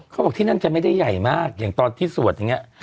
เขาบอกที่นั่นจะไม่ได้ใหญ่มากอย่างตอนที่สวดอย่างนี้